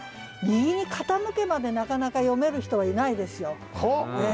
「右に傾け」までなかなか詠める人はいないですよ。